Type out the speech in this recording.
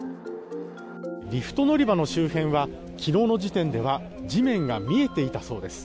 リフト乗り場の周辺は昨日の時点では地面が見えていたそうです。